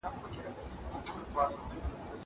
هغه څوک چي ځواب ليکي تمرين کوي.